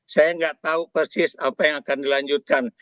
saya nggak tahu persis apa yang akan dilanjutkan